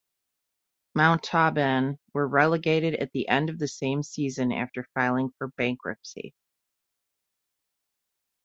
Montauban were relegated at the end of the same season after filing for bankruptcy.